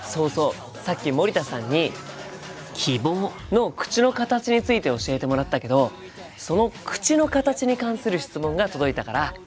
さっき森田さんに「希望」の口の形について教えてもらったけどその口の形に関する質問が届いたから紹介するね。